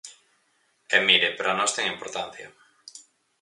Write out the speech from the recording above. E mire, para nós ten importancia.